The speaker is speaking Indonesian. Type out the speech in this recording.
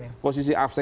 nah posisi apset